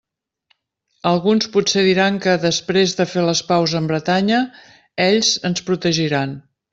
Alguns potser diran que, després de fer les paus amb Bretanya, ells ens protegiran.